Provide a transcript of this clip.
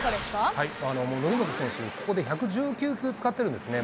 則本選手、ここで１１９球使っているんですね。